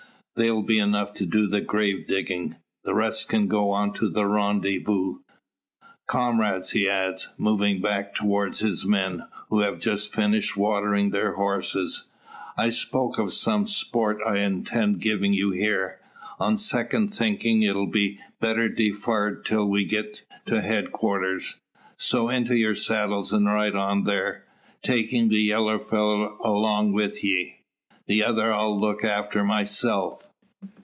They'll be enough to do the grave digging. The rest can go on to the rendezvous. Comrades!" he adds, moving back towards his men, who have just finished watering their horses, "I spoke o' some sport I intended givin' you here. On second thinkin' it'll be better defarred till we get to head quarters. So into your saddles and ride on thar takin' the yeller fellow along wi' ye. The other I'll look after myself.